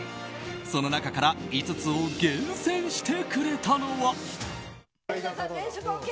その中から５つを厳選してくれたのは。